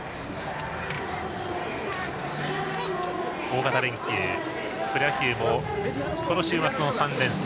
大型連休、プロ野球もこの週末の３連戦。